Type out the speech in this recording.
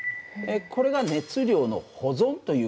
これが熱量の保存という事なんだ。